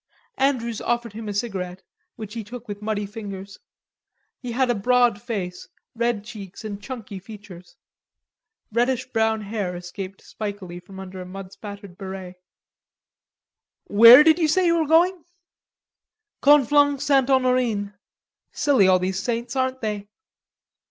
'' Andrews offered him a cigarette, which he took with muddy fingers. He had a broad face, red cheeks and chunky features. Reddish brown hair escaped spikily from under a mud spattered beret. "Where did you say you were going?" "Conflans Ste. Honorine. Silly all these saints, aren't they?"